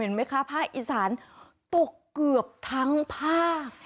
ไหมคะภาคอีสานตกเกือบทั้งภาค